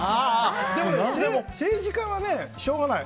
でも政治家はしょうがない。